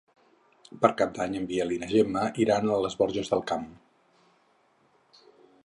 Per Cap d'Any en Biel i na Gemma iran a les Borges del Camp.